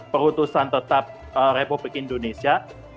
peruntusan republik indonesia